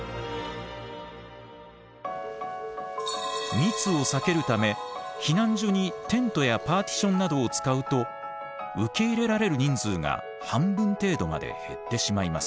密を避けるため避難所にテントやパーティションなどを使うと受け入れられる人数が半分程度まで減ってしまいます。